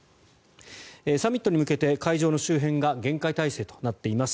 サミットに向けて会場の周辺が厳戒態勢となっています。